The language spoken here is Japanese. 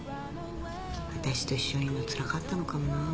私と一緒にいるのつらかったのかもなぁ。